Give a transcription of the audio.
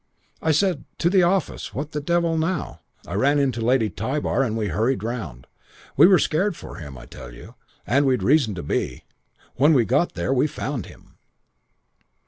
"I said, 'To the office! What the devil now?' I ran in to Lady Tybar and we hurried round. We were scared for him, I tell you. And we'd reason to be when we got there and found him."